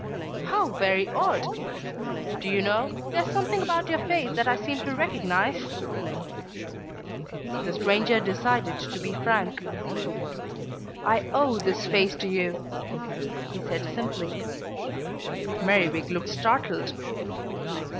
"How very odd! Do you know, there's something about your face that I seem to recognise?" The stranger decided to be frank. "I owe this face to you," he said simply. Merriwig looked startled.